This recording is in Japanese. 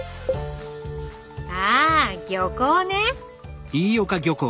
あ漁港ね。